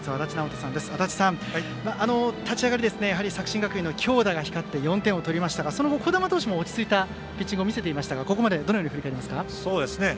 足達さん立ち上がり、作新学院の強打が光って４点を取りましたがその後、児玉投手も落ち着いたピッチングを見せていましたがここまでどのように振り返りますか？